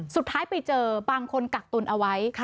สุดท้ายไปเจอบางคนกักตุนเอาไว้